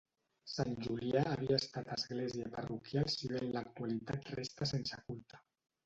Sant Julià havia estat església parroquial si bé en l'actualitat resta sense culte.